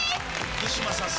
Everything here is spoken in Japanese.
福島さん